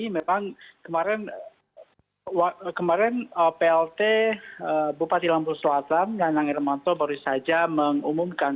memang kemarin plt bupati lampung selatan dan nanggir manto baru saja mengumumkan